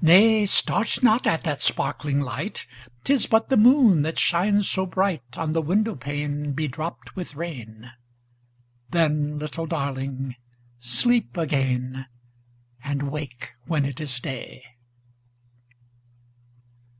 10 Nay! start not at that sparkling light; 'Tis but the moon that shines so bright On the window pane bedropped with rain: Then, little Darling! sleep again, And wake when it is day.